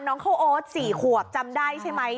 น้องข้าวโอ๊ต๔ขวบจำได้ใช่ไหม